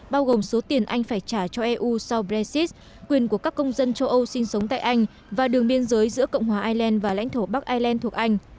bao gồm số tiền anh phải trả cho eu sau brexit quyền của các công dân châu âu sinh sống tại anh và đường biên giới giữa cộng hòa ireland và lãnh thổ bắc ireland thuộc anh